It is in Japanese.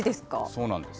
そうなんです。